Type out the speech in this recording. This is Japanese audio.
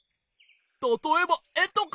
たとえばえとか！